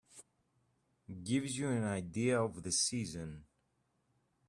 Gives you an idea of the season.